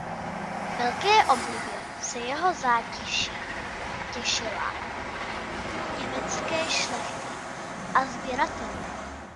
Velké oblibě se jeho zátiší těšila u německé šlechty a sběratelů.